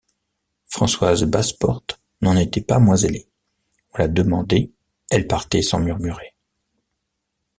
Françoise Basseporte n’en était pas moins zélée, on la demandait, elle partait sans murmurer.